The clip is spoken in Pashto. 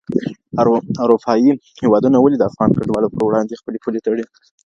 اروپایي هېوادونه ولي د افغان کډوالو پر وړاندې خپلې پولي تړي؟